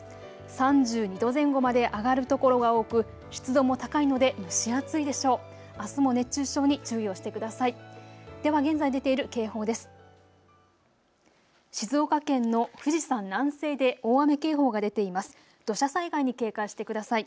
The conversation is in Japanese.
３２度前後まで上がる所が多く湿度も高いので蒸し暑いでしょう。